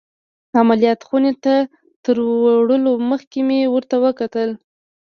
عمليات خونې ته تر وړلو مخکې مې ورته وکتل.